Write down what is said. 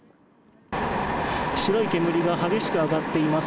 白い煙が激しく上がっています。